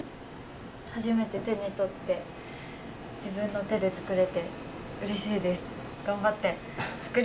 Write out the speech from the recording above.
初めて手に取って自分の手で作れてうれしいです。